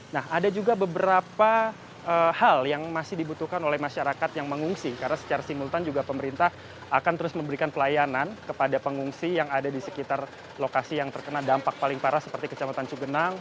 nah ada juga beberapa hal yang masih dibutuhkan oleh masyarakat yang mengungsi karena secara simultan juga pemerintah akan terus memberikan pelayanan kepada pengungsi yang ada di sekitar lokasi yang terkena dampak paling parah seperti kecamatan cugenang